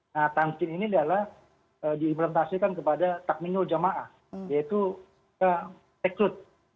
nah kitamkin ini adalah diimplementasikan kepada takminul jamaah yaitu rekrut